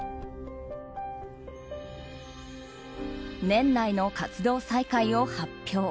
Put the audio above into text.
年内の活動再開を発表。